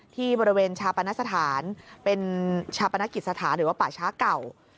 ที่บริเวณชาปนสถานเป็นชาปนกิจสถานหรือว่าป่าช้าเก่า